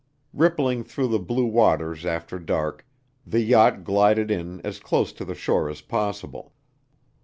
Rippling through the blue waters after dark, the yacht glided in as close to the shore as possible.